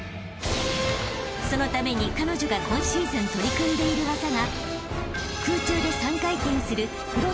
［そのために彼女が今シーズン取り組んでいる技が］